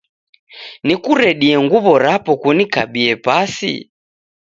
Nikuredie nguw'o rapo kunikabie pasi ?